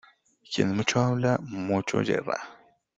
Quien mucho habla, mucho yerra.